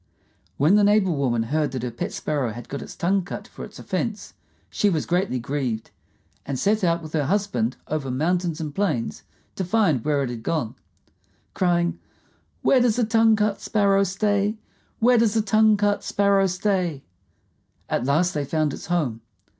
When the neighbor woman heard that her pet Sparrow had got its tongue cut for its offense, she was greatly grieved, and set out with her husband over mountains and plains to find where it had gone, crying, "Where does the tongue cut Sparrow stay? Where does the tongue cut Sparrow stay?" At last they found its home.